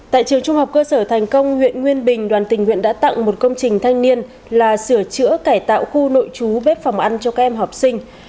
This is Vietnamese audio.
tại trường trung học cơ sở thành công huyện nguyên bình đoàn tình nguyện đã tặng một công trình thanh niên là sửa chữa cải tạo khu nội trú bếp phòng ăn cho các em học sinh